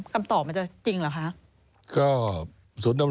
คำตอบจะจริงหรือคะ